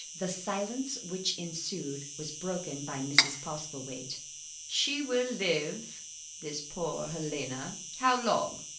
The silence which ensued was broken by Mrs. Postlethwaite: "She will live this poor Helena how long?"